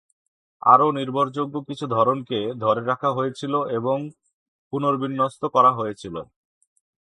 আরও নির্ভরযোগ্য কিছু ধরনকে ধরে রাখা হয়েছিল এবং পুনর্বিন্যস্ত করা হয়েছিল।